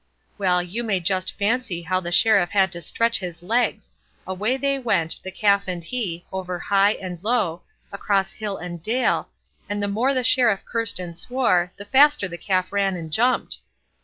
Well you may just fancy how the Sheriff had to stretch his legs; away they went, the calf and he, over high and low, across hill and dale, and the more the Sheriff cursed and swore, the faster the calf ran and jumped.